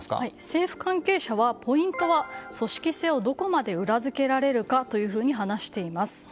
政府関係者はポイントは組織性をどこまで裏づけられるかと話しています。